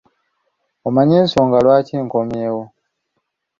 Omanyi ensonga lwaki nkomyewo?